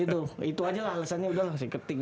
itu itu aja lah alasannya udah lah saya keting